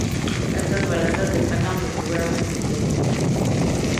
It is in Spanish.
Estas balanzas destacan por su gran precisión.